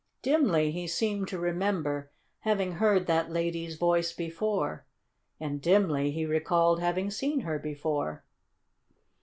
Dimly he seemed to remember having heard that lady's voice before, and dimly he recalled having seen her before.